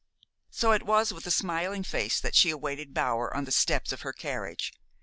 So it was with a smiling face that she awaited Bower on the steps of her carriage.